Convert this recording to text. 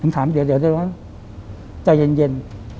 ถึงถามเยอะเดี๋ยวใจเย็น